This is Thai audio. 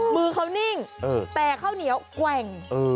มือเขานิ่งแต่ข้าวเหนียวแกว่ง